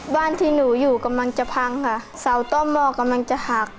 บ้านที่หนูอยู่กำลังจะพังค่ะเสาต้อมหม้อกำลังจะหัก